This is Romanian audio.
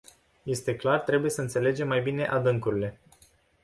Este clar trebuie să înțelegem mai bine adâncurile.